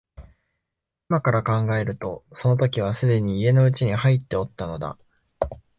今から考えるとその時はすでに家の内に入っておったのだ